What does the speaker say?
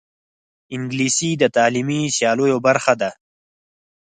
انګلیسي د تعلیمي سیالیو برخه ده